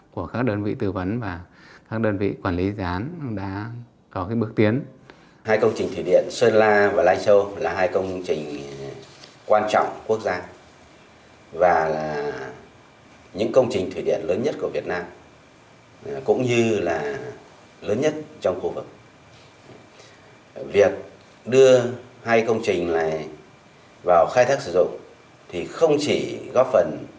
của các đơn vị tư vấn và các đơn vị quản lý gián đã có cái bước tiến